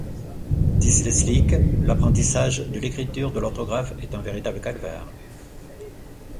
Dyslexique, l’apprentissage de l’écriture et de l’orthographe est un véritable calvaire.